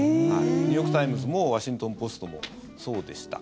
ニューヨーク・タイムズもワシントン・ポストもそうでした。